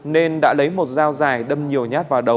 nên đã lấy một dao dài đâm nhiều nhát vào đầu